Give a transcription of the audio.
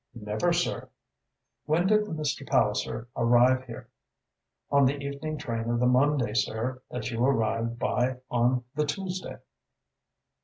"Never, sir." "When did Mr. Palliser arrive here?" "On the evening train of the Monday, sir, that you arrived by on the Tuesday."